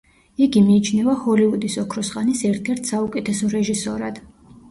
იგი მიიჩნევა ჰოლივუდის ოქროს ხანის ერთ-ერთ საუკეთესო რეჟისორად.